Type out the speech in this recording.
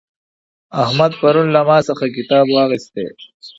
احمد پرون له ما څخه کتاب واخیستی.